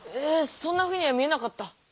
そんなふうには見えなかった！